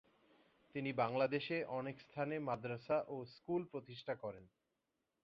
তিনি বাংলাদেশে অনেক স্থানে মাদ্রাসা ও স্কুল প্রতিষ্ঠা করেন।